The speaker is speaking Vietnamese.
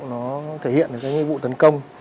nó thể hiện được cái nhiệm vụ tấn công